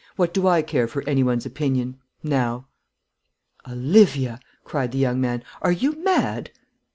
What do I care for any one's opinion now?" "Olivia," cried the young man, "are you mad?"